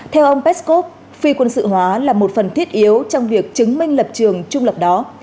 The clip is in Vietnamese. theo ông peskov phi quân sự hóa là một phần thiết yếu trong việc chứng minh lập trường trung lập đó